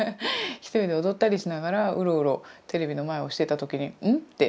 一人で踊ったりしながらウロウロテレビの前をしていた時にうん？って。